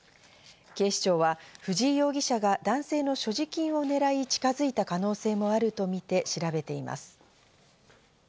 警視庁は藤井容疑者が男性の所持金を狙い、近づいた可能性もあるとみて調べています。